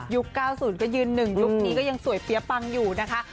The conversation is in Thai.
ยุค๙๐ก็ยืนหนึ่งยุคนี้ก็ยังสวยเตี๋ยวปังอยู่นะคะ